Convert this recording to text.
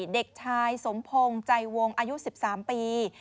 เด็กชายสมพงศ์ใจวงอายุ๑๓ปี